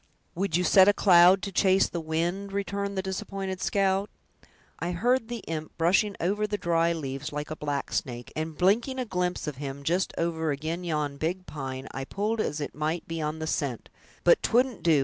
"Would you set a cloud to chase the wind?" returned the disappointed scout; "I heard the imp brushing over the dry leaves, like a black snake, and blinking a glimpse of him, just over ag'in yon big pine, I pulled as it might be on the scent; but 'twouldn't do!